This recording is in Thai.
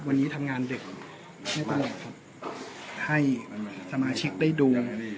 วันนี้ทำงานดึกไม่ต้องห่วงครับให้สมาชิกได้ดู